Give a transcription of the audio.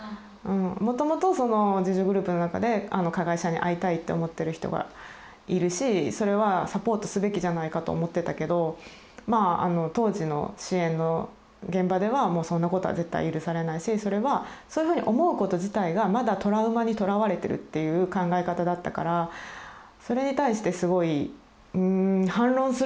もともと自助グループの中で加害者に会いたいと思ってる人がいるしそれはサポートすべきじゃないかと思ってたけどまあ当時の支援の現場ではもうそんなことは絶対許されないしそれはそういうふうに思うこと自体がまだトラウマにとらわれてるっていう考え方だったからそれに対してすごいうん反論することができなかったですよね。